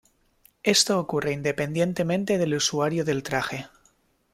Esto ocurre independientemente del usuario del traje.